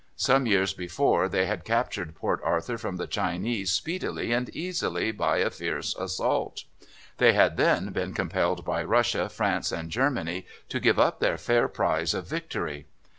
Some years before they had captured Port Arthur from the Chinese speedily and easily by a fierce assault. They had then been compelled by Russia, France, and Germany to give up their fair prize of victory.